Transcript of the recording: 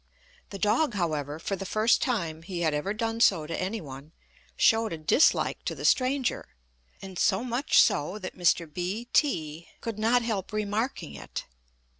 The dog, however, for the first time he had ever done so to any one, showed a dislike to the stranger, and so much so, that Mr. B t could not help remarking it.